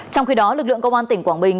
trong khi đó lực lượng công an tỉnh quảng bình